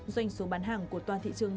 doanh số bán hàng của toàn thị trường